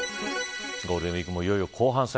ゴールデンウイークもいよいよ後半戦。